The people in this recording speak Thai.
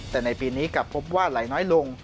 แต่ในปีนี้กลับพบว่าไหลน้อยลง